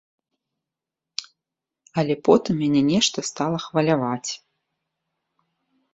Але потым мяне нешта стала хваляваць.